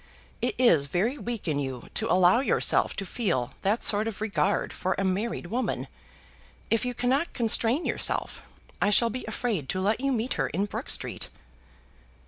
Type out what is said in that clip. It is very weak in you to allow yourself to feel that sort of regard for a married woman. If you cannot constrain yourself I shall be afraid to let you meet her in Brook Street."